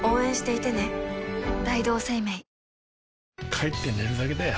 帰って寝るだけだよ